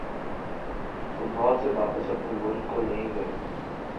سے بہت سے واپس اپنے ملک کو نہیں گئے۔